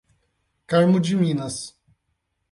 Carmo de Minas